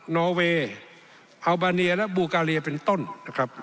นอเวย์ฮัลบาเนียและบูกาเลียเป็นต้นนะครับ